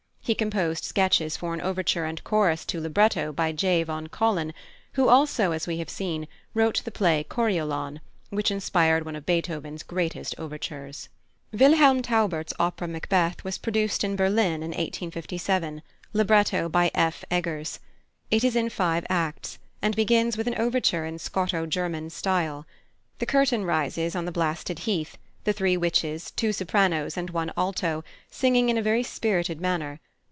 He composed sketches for an overture and chorus to libretto by J. von Collin, who also, as we have seen, wrote the play Coriolan, which inspired one of Beethoven's greatest overtures. +Wilhelm Taubert's+ opera Macbeth was produced in Berlin in 1857, libretto by F. Eggers. It is in five acts, and begins with an overture in Scoto German style. The curtain rises on the blasted heath, the three witches, two sopranos and one alto, singing in a very spirited manner.